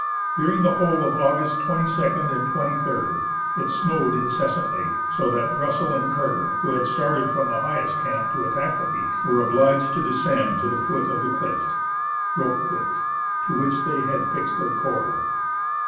During the whole of August 22nd and 23rd, it snowed incessantly, so that Russell and Kerr, who had started from the highest camp to attack the peak, were obliged to descend to the foot of the clift (Rope Cliff) to which they had fixed their cord.